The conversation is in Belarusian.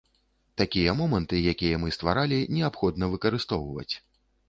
Такія моманты, якія мы стваралі, неабходна выкарыстоўваць.